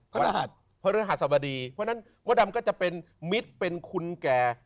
พระฤหัสบดีเพราะฉะนั้นมดดำก็จะเป็นมิตรเป็นคุณแก่